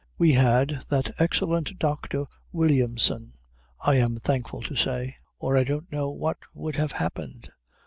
We had that excellent Dr. Williamson, I am thankful to say, or I don't know what would have happened.